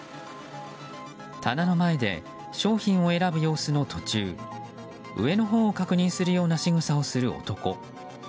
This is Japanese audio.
棚の前で商品を選ぶ様子の途中上のほうを確認するような仕草をする男。